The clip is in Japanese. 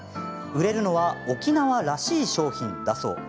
売れるのは沖縄らしい商品だそう。